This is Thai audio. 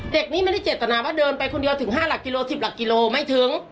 เด็กนี้ไม่ได้เจตนาว่าเดินไปคนเดียวถึง๕หลักกิโล๑๐หลักกิโลไม่ถึง